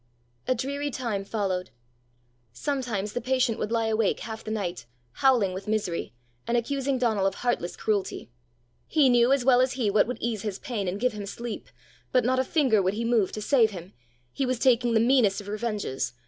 A dreary time followed. Sometimes the patient would lie awake half the night, howling with misery, and accusing Donal of heartless cruelty. He knew as well as he what would ease his pain and give him sleep, but not a finger would he move to save him! He was taking the meanest of revenges!